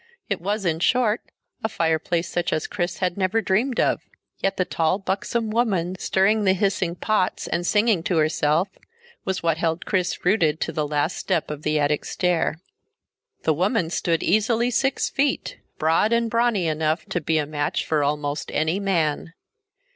It was, in short, a fireplace such as Chris had never dreamed of. Yet the tall buxom woman stirring the hissing pots and singing to herself was what held Chris rooted to the last step of the attic stair. The woman stood easily six feet, broad and brawny enough to be a match for almost any man.